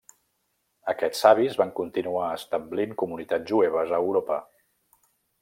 Aquests savis van continuar establint comunitats jueves a Europa.